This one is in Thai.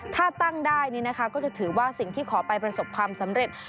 ถ้าตั้งได้ก็จะถือว่าสิ่งที่ขอไปประสบความสำเร็จ